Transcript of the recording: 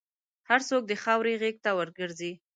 هر څوک د خاورې غېږ ته ورګرځي.